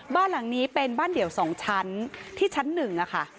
บ้านหลังนี้เป็นบ้านเดี่ยว๒ชั้นที่ชั้น๑ค่ะ